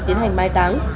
tiến hành mai táng